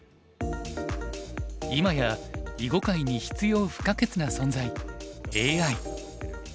今や囲碁界に必要不可欠な存在ＡＩ。